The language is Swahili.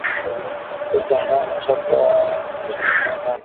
weka ngano na chapa manadashi